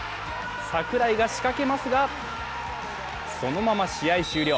櫻井が仕掛けますが、そのまま試合終了。